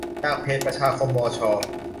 จากเพจประชาคมมอชอ